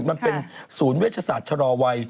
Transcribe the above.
มันเป็นศูนย์เวชศาสตร์ชะลอวัย